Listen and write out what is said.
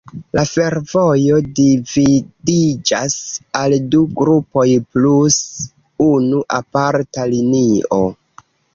La fervojo dividiĝas al du grupoj plus unu aparta linio.